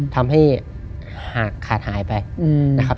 ทำให้ขาดหายไปนะครับ